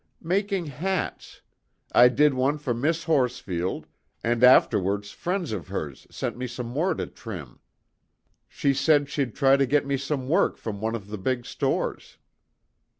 "Making hats. I did one for Miss Horsfield, and afterwards friends of hers sent me some more to trim. She said she'd try to get me some work from one of the big stores."